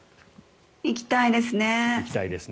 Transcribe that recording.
行きたいですね。